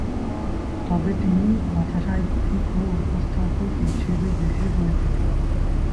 তবে তিনি কথাসাহিত্যিক ও উপস্থাপক হিসেবে বেশি পরিচিত।